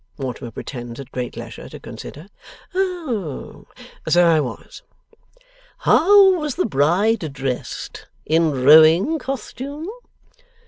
Mortimer pretends, at great leisure, to consider. 'So I was!' 'How was the bride dressed? In rowing costume?